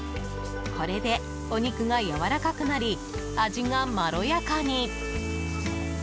これでお肉がやわらかくなり味がまろやかに。